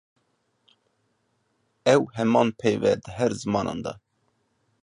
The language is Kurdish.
Ew heman peyv e di her zimanan de.